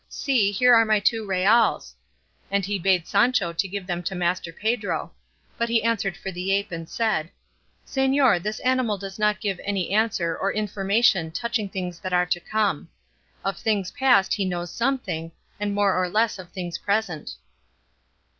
See, here are my two reals," and he bade Sancho give them to Master Pedro; but he answered for the ape and said, "Señor, this animal does not give any answer or information touching things that are to come; of things past he knows something, and more or less of things present."